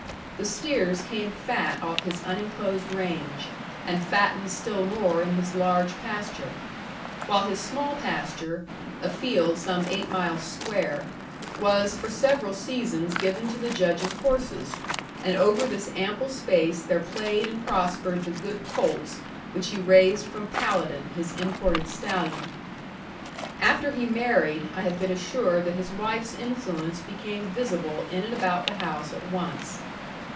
The steers came fat off his unenclosed range and fattened still more in his large pasture; while his small pasture, a field some eight miles square, was for several seasons given to the Judge's horses, and over this ample space there played and prospered the good colts which he raised from Paladin, his imported stallion. After he married, I have been assured that his wife's influence became visible in and about the house at once.